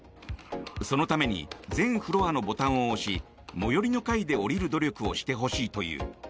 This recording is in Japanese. そのために全フロアのボタンを押し最寄りの階で降りる努力をしてほしいという。